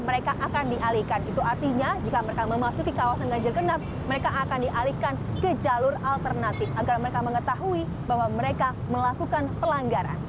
mereka akan dialihkan itu artinya jika mereka memasuki kawasan ganjil genap mereka akan dialihkan ke jalur alternatif agar mereka mengetahui bahwa mereka melakukan pelanggaran